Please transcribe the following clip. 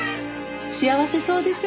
幸せそうでしょ？